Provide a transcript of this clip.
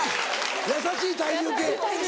優しい体重計。